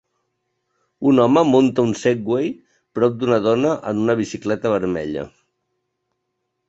Un home munta un Segway prop d'una dona en una bicicleta vermella.